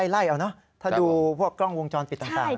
ไล่เอาเนอะถ้าดูพวกกล้องวงจรปิดต่าง